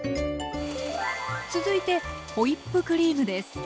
続いてホイップクリームです。